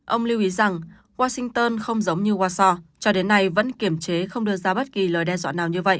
ông lưu ý rằng washington không giống như wasa cho đến nay vẫn kiểm chế không đưa ra bất kỳ lời đe dọa nào như vậy